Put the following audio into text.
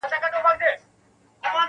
خلګ وایې د قاضي صاب مهماني ده.